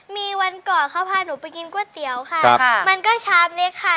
มีวันก่อนเขาพาหนูไปกินก๋วยเตี๋ยวค่ะมันก็ชามเล็กค่ะ